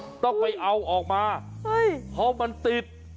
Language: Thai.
เฮ้ยต้องไปเอาออกมาเพราะมันติด